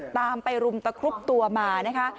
ตามไปรุมตะครุบตัวมานะคะ